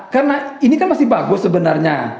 karena ini kan masih bagus sebenarnya